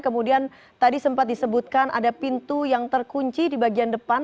kemudian tadi sempat disebutkan ada pintu yang terkunci di bagian depan